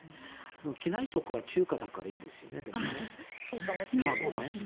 機内食は中華だからいいですよね。